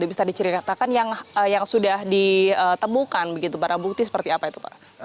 bisa diceritakan yang sudah ditemukan begitu barang bukti seperti apa itu pak